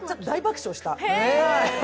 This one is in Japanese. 大爆笑した。